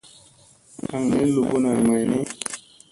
Aŋ ni luɓuna may ni.